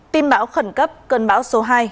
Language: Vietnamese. tim bão khẩn cấp cơn bão số hai